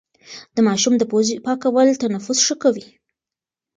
د ماشوم د پوزې پاکول تنفس ښه کوي.